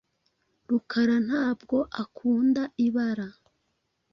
Rukara ntabwo akunda ibara.